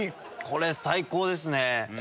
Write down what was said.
これ最高ですね！